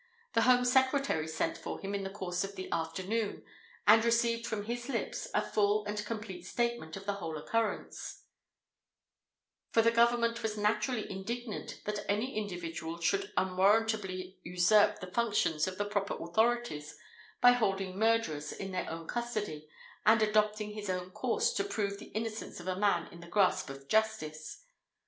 The Home Secretary sent for him in the course of the afternoon, and received from his lips a full and complete statement of the whole occurrence; for the Government was naturally indignant that any individual should unwarrantably usurp the functions of the proper authorities by holding murderers in his own custody and adopting his own course to prove the innocence of a man in the grasp of justice.